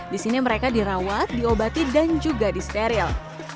di sini mereka dirawat diobati dan juga disteril